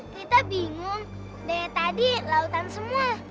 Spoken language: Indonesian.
kita bingung dari tadi lautan semua